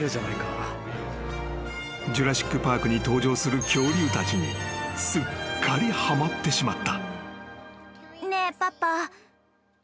［『ジュラシック・パーク』に登場する恐竜たちにすっかりはまってしまった］